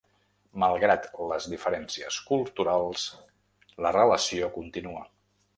Malgrat les diferències culturals, la relació continua.